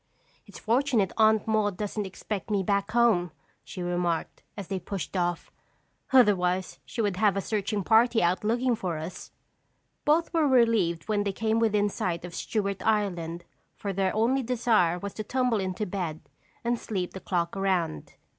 "It's fortunate Aunt Maude doesn't expect me back home," she remarked as they pushed off. "Otherwise, she would have a searching party out looking for us." Both were relieved when they came within sight of Stewart Island for their only desire was to tumble into bed and sleep the clock around.